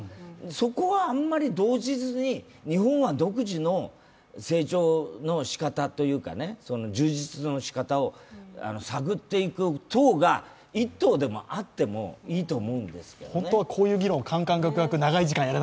そこはあんまり動じずに日本は独自の成長の仕方というか充実の仕方を探っていく党が一党でもあってもいいと思うんですけどね。